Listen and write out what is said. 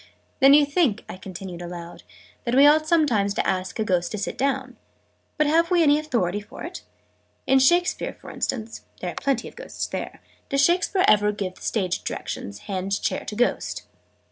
Then you think," I continued aloud, "that we ought sometimes to ask a Ghost to sit down? But have we any authority for it? In Shakespeare, for instance there are plenty of ghosts there does Shakespeare ever give the stage direction 'hands chair to Ghost'?"